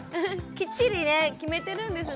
きっちりね決めてるんですね。